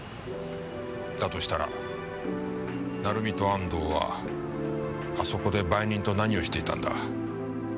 だとしたら鳴海と安堂はあそこで売人と何をしていたんだ？